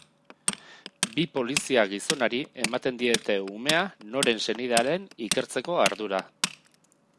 Bi polizia-gizonari ematen diete umea noren senidea den ikertzeko ardura.